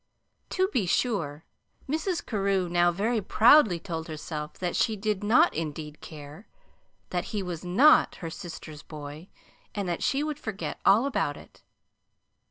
To be sure, Mrs. Carew now very proudly told herself that she did not indeed "care," that he was NOT her sister's boy, and that she would "forget all about it."